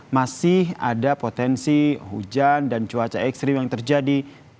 masih ada potensi hujan dan cuaca ekstrim yang terjadi